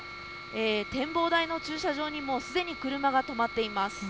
展望台の駐車場に、もうすでに車が止まっています。